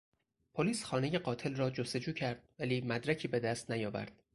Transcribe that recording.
پلیس خانهی قاتل را جستجو کرد ولی مدرکی به دست نیاورد.